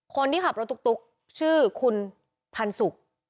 คนที่ขับรถตุ๊กชื่อคุณพันศุกร์